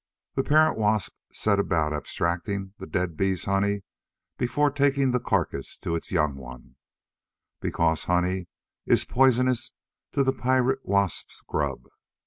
The parent wasp set about abstracting the dead bee's honey, before taking the carcass to its young one, because honey is poisonous to the pirate wasp's grub.